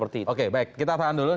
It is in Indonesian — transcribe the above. tidak ada yang seperti itu